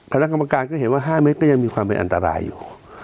คณะกรรมการก็เห็นว่า๕เมตรก็ยังมีความเป็นอันตรายอยู่